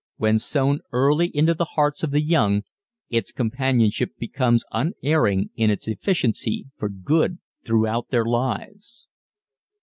When sown early into the hearts of the young its companionship becomes unerring in its efficiency for good throughout their lives.